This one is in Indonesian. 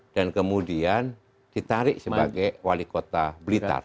dan kemudian ditarik sebagai wali kota blitar